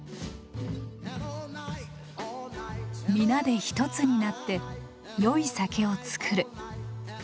「皆で一つになって良い酒を造る」。